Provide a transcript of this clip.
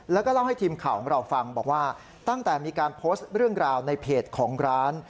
แล้วก็เล่าให้ทีมข่าวของเราฟังบอกว่าตั้งแต่มีการโพสต์เรื่องราวในเพจของร้าน